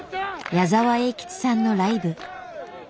矢沢永吉さんのライブ。